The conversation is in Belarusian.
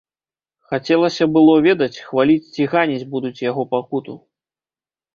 Хацелася было ведаць, хваліць ці ганіць будуць яго пакуту.